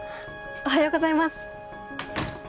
おはようございます。